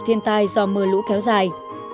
thiên tai do mưa lũ kéo dài